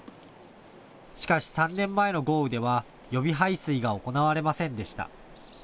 しかし３年前の豪雨では予備排水が行われませんでした。